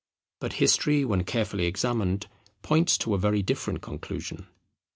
But history when carefully examined points to a very different conclusion.